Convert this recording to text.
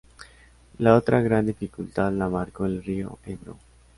La otra gran dificultad la marcó el río Ebro.